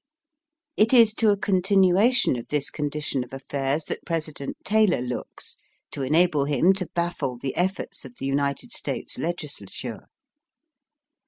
It is to a continuation of this condition of affairs that President Taylor looks to enable him to baffle the efforts of the United States Legislature.